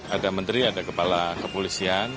ada menteri ada kepala kepolisian